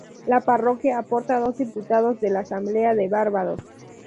La parroquia aporta dos diputados a la Asamblea de Barbados.